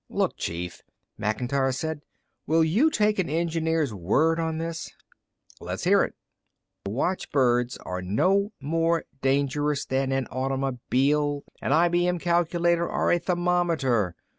"Look, Chief," Macintyre said. "Will you take an engineer's word on this?" "Let's hear it." "The watchbirds are no more dangerous than an automobile, an IBM calculator or a thermometer.